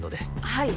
はい。